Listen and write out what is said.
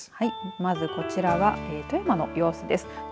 まずこちらは富山の様子です。